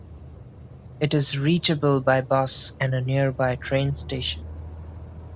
It is reachable by bus and a nearby train station.